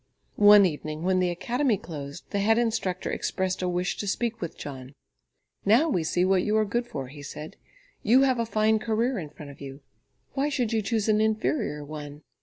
One evening when the Academy closed, the head instructor expressed a wish to speak with John. "Now we see what you are good for," he said. "You have a fine career in front of you; why should you choose an inferior one?